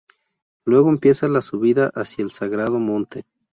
Luego empieza la subida hacia el sagrado monte.